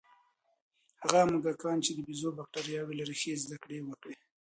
هغه موږکان چې د بیزو بکتریاوې لري، ښې زده کړې وکړې.